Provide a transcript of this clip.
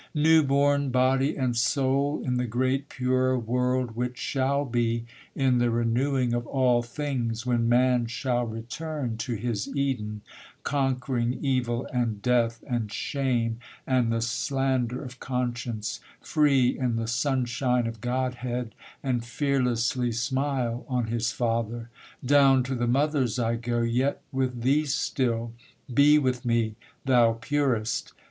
New born, body and soul, in the great pure world which shall be In the renewing of all things, when man shall return to his Eden Conquering evil, and death, and shame, and the slander of conscience Free in the sunshine of Godhead and fearlessly smile on his Father. Down to the mothers I go yet with thee still! be with me, thou purest!